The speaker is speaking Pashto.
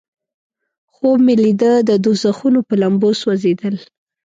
خوب مې لیده د دوزخونو په لمبو سوځیدل.